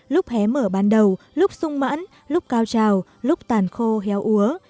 lúc hé mở ban đầu lúc sung mãn lúc cao trào lúc tàn khô héo úa